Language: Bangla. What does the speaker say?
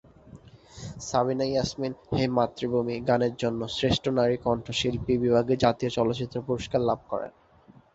সাবিনা ইয়াসমিন "হে মাতৃভূমি" গানের জন্য শ্রেষ্ঠ নারী কণ্ঠশিল্পী বিভাগে জাতীয় চলচ্চিত্র পুরস্কার লাভ করেন।